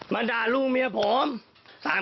มาด่าลูกเมียผม